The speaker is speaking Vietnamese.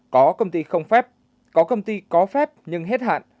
có công ty không phép có công ty có phép nhưng hết hạn